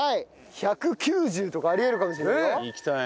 １９０とかあり得るかもしれないよ。